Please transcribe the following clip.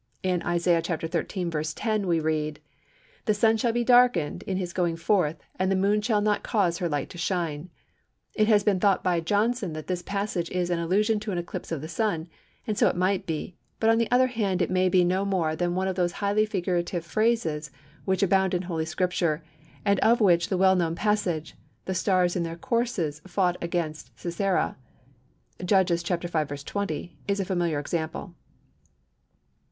In Isaiah xiii. 10 we read:— "The Sun shall be darkened in his going forth, and the Moon shall not cause her light to shine." It has been thought by Johnson that this passage is an allusion to an eclipse of the Sun, and so it might be; but on the other hand, it may be no more than one of those highly figurative phrases which abound in holy Scripture, and of which the well known passage, "The stars in their courses fought against Sisera" (Judges v. 20), is a familiar example.